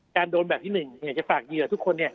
การโดนแบบที่๑เนี่ยจะฝากเยือทุกคนเนี่ย